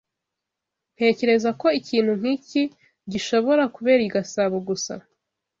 Ntekereza ko ikintu nkiki gishobora kubera i Gasabo gusa.